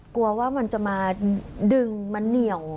กลัวว่ามันจะมาดึงมาเหนียว